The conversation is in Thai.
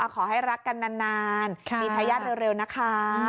ขอให้รักกันนานมีทายาทเร็วนะคะ